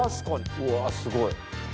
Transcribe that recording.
うわすごい。